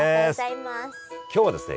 今日はですね